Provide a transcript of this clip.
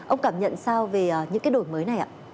ông cảm nhận sao về những cái đổi mới này ạ